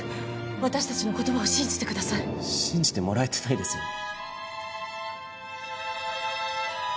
私達の言葉を信じてください信じてもらえてないですよね？